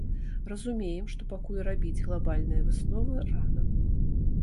Разумеем, што пакуль рабіць глабальныя высновы рана.